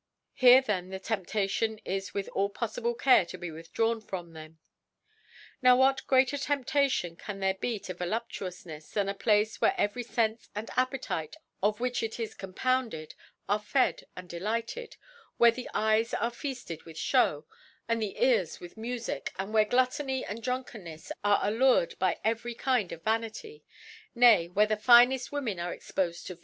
Here then the T<emptation is with all poffible Care to be withdrawn from them. Now what greater TcmptaiioD can there be to Voluptuoufnefe, jlian a Place where every Sente and Appetite of which ic is ccfeipounded^ are fed and delighted j where the Eyes are feafted^ with Show, and the Ears with Mufic, and where Glut tony and Druiikcnnefs are allured by every Kind of Dainty ; nay where the fineft Women are expofed to.